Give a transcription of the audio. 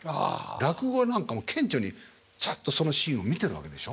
落語なんかもう顕著にすっとそのシーンを見てるわけでしょ？